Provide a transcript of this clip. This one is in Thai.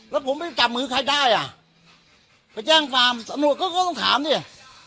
แล้วผมไม่จับมือใครได้อ่ะไปแจ้งฟาร์มสนุกก็ก็ต้องถามเนี้ย